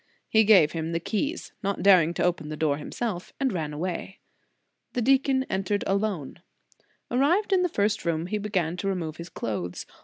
He gave him the keys, not daring to open the door himself, and ran away. The deacon entered alone. Arrived in the In the Nineteenth Century. 207 first room, he began to remove his clothes.